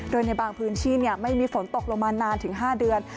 โดยในบางพื้นที่ไม่มีฝนตกลงมานานถึง๕เดือน